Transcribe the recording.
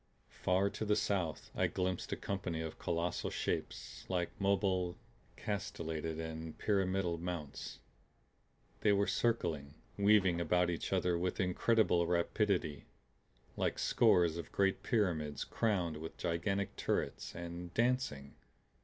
Far to the south I glimpsed a company of colossal shapes like mobile, castellated and pyramidal mounts. They were circling, weaving about each other with incredible rapidity like scores of great pyramids crowned with gigantic turrets and dancing.